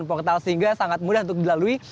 portal sehingga sangat mudah untuk dilalui